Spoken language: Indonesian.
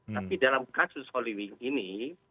tapi dalam kasus hollywing ini